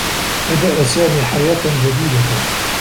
بدأ سامي حياة جديدة.